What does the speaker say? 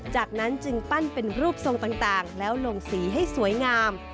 จากนั้นจึงปั้นเป็นรูปทรงต่างแล้วลงสีให้สวยงาม